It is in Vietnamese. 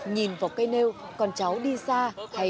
nhìn vào cây nêu con cháu đi xa